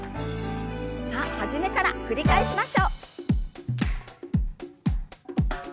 さあ初めから繰り返しましょう。